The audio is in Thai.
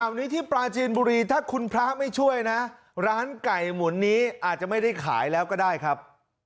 วันนี้ที่ปลาจีนบุรีถ้าคุณพระไม่ช่วยนะร้านไก่หมุนนี้อาจจะไม่ได้ขายแล้วก็ได้ครับ